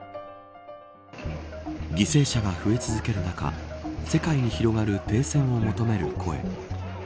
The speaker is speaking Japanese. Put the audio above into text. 犠牲者が増え続ける中世界に広がる、停戦を求める声。